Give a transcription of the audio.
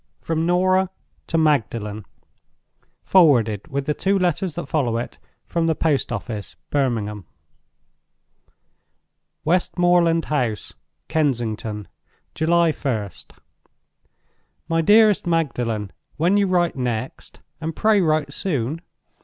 From Norah to Magdalen. Forwarded, with the Two Letters that follow it, from the Post Office, Birmingham. "Westmoreland House, Kensington, "July 1st. "MY DEAREST MAGDALEN, "When you write next (and pray write soon!)